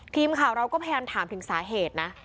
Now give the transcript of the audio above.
ทีมข่าวเราก็แพงถามถึงสาเหตุนะ